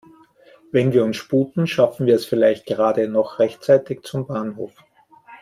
Wenn wir uns sputen, schaffen wir es vielleicht gerade noch rechtzeitig zum Bahnhof.